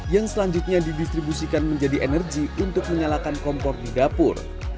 yang selanjutnya didistribusikan menjadi energi untuk menyalakan kompor di dapur